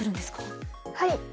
はい。